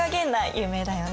有名だよね。